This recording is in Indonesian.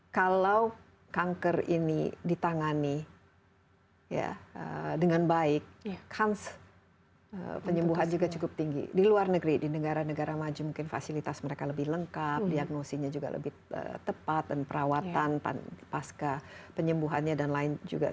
kami akan segera kembali